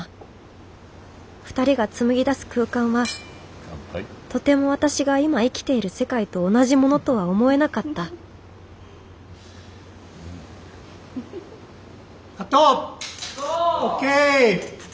二人が紡ぎ出す空間はとても私が今生きている世界と同じものとは思えなかったカット！ＯＫ！